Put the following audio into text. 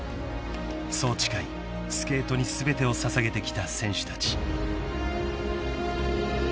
［そう誓いスケートに全てを捧げてきた選手たち］